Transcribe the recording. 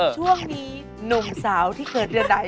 ช่วงนี้หนุ่มสาวที่เกิดเรือใด